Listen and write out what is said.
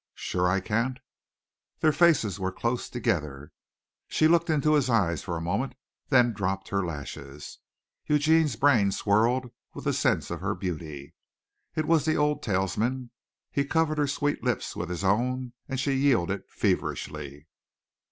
"Sure I can't?" Their faces were close together. She looked into his eyes for a moment, then dropped her lashes. Eugene's brain swirled with the sense of her beauty. It was the old talisman. He covered her sweet lips with his own and she yielded feverishly.